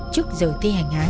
trước giờ thi hành án